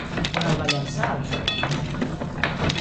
I on el va llançar el jove?